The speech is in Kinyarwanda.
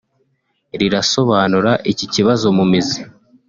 rirasobanura iki kibazo mu mizi